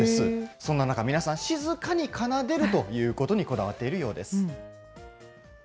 そんな中、皆さん、静かに奏でるということにこだわっているようです。